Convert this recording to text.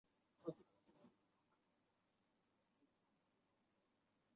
现任主任牧师为陈淳佳牧师。